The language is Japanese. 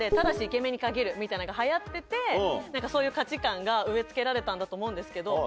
みたいなのが流行っててそういう価値観が植え付けられたんだと思うんですけど。